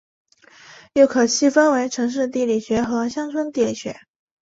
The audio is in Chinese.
又可细分为城市地理学和乡村地理学。